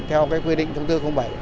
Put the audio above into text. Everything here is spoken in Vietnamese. theo cái quy định thông tư bảy